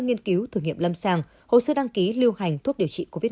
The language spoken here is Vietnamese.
nghiên cứu thử nghiệm lâm sàng hồ sơ đăng ký lưu hành thuốc điều trị covid một mươi